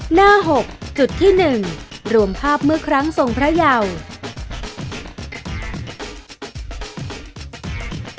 หน้า๖๑หลวมภาพเมื่อครั้งทรงพระเยาคม